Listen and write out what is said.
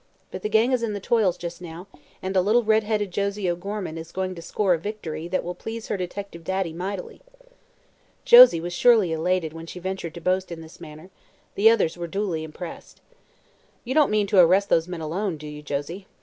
But the gang is in the toils, just now, and little redheaded Josie O'Gorman is going to score a victory that will please her detective daddy mightily." Josie was surely elated when she ventured to boast in this manner. The others were duly impressed. "You don't mean to arrest those men alone, do you, Josie?"